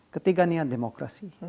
ketiga nya demokrasi